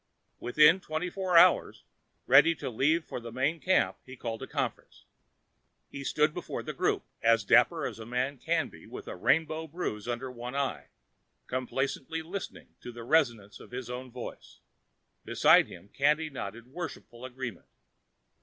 Within twenty four hours, ready to leave for the main camp, he called a conference. He stood before the group, as dapper as a man can be with a rainbow bruise under one eye, complacently listening to the resonance of his own voice. Beside him, Candy nodded worshipful agreement.